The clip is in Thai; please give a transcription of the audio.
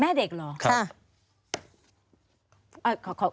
แม่เด็กเหรอ